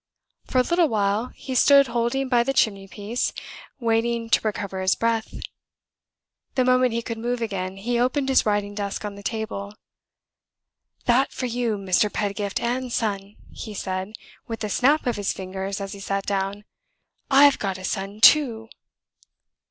For a little while he stood holding by the chimney piece, waiting to recover his breath. The moment he could move again, he opened his writing desk on the table. "That for you, Mr. Pedgift and Son!" he said, with a snap of his fingers as he sat down. "I've got a son too!"